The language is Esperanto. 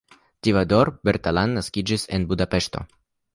Tivadar Bertalan naskiĝis la en Budapeŝto.